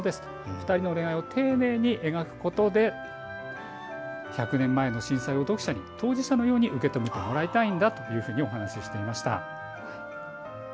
２人の恋愛を丁寧に描くことで１００年前の震災を読者に当事者のように受け止めてもらいたいとお話していました。